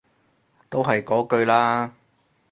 都係嗰句啦